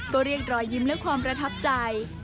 ก็เรียกรอยยิ้มและความประทับใจ